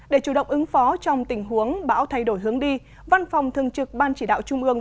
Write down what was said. để chủ động ứng phó trong tình huống bão thay đổi hướng đi văn phòng thường trực ban chỉ đạo trung ương